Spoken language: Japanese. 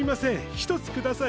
１つください